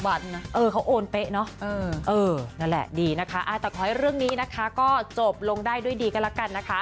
เขาโอนเป๊ะเนาะนั่นแหละดีนะคะแต่ขอให้เรื่องนี้นะคะก็จบลงได้ด้วยดีก็แล้วกันนะคะ